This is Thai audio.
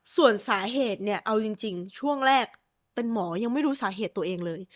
ส่วนสาเหตุเนี่ยเอาจริงช่วงแรกเป็นหมอยังไม่รู้สาเหตุตัวเองเลย